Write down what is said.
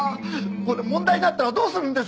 問題になったらどうするんです。